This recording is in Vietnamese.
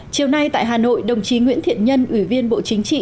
chiều nay tại hà nội đồng chí nguyễn thiện nhân ủy viên bộ chính trị